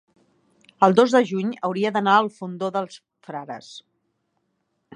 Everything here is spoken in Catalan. El dos de juny hauria d'anar al Fondó dels Frares.